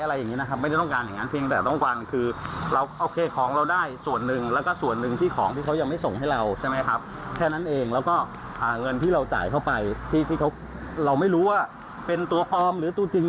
แล้วก็เงินที่เราจ่ายเข้าไปที่เราไม่รู้ว่าเป็นตัวพร้อมหรือตัวจริง